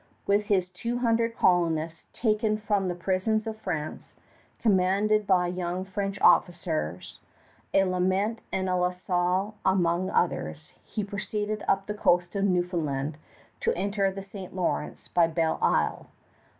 With his two hundred colonists, taken from the prisons of France, commanded by young French officers, a Lament and a La Salle among others, he proceeded up the coast of Newfoundland to enter the St. Lawrence by Belle Isle.